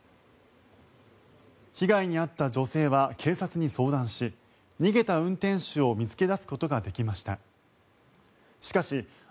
被害に遭った女性は警察に相談し逃げた運転手を見つけ出すことができました。